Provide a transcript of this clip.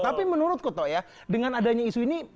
tapi menurutku to ya dengan adanya isu ini